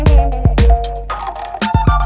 kau mau kemana